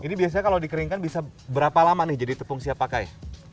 ini biasanya kalau dikeringkan bisa berapa lama nih jadi tepung siap pakai